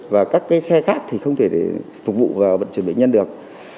và các cái xe khác thì không thể phục vụ vào vận chuyển bệnh nhân được